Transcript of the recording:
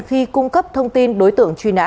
khi cung cấp thông tin đối tượng truy nã